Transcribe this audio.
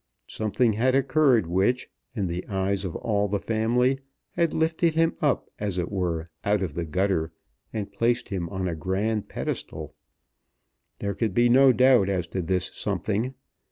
Something had occurred which, in the eyes of all the family, had lifted him up as it were out of the gutter and placed him on a grand pedestal. There could be no doubt as to this something.